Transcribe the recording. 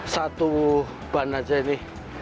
satu ban aja ini